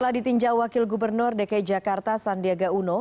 setelah ditinjau wakil gubernur dki jakarta sandiaga uno